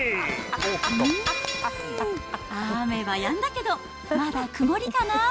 雨はやんだけど、まだ曇りかな？